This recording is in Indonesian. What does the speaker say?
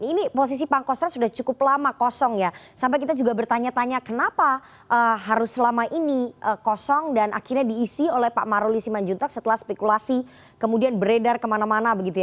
ini posisi pangkostrat sudah cukup lama kosong ya sampai kita juga bertanya tanya kenapa harus selama ini kosong dan akhirnya diisi oleh pak maruli simanjuntak setelah spekulasi kemudian beredar kemana mana begitu ya